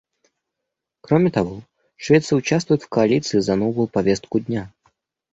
Кроме того, Швеция участвует в Коалиции за новую повестку дня.